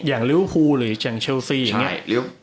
อย่างลิวฟูหรืออย่างเชลซีอย่างนี้